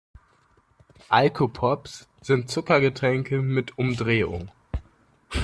Alkopops sind Zuckergetränke mit Umdrehung.